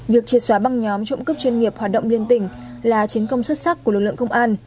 việc triệt xóa băng nhóm trộm cắp chuyên nghiệp hoạt động liên tỉnh là chiến công xuất sắc của lực lượng công an